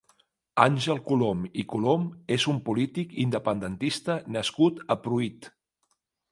Àngel Colom i Colom és un polític independentista nascut a Pruit.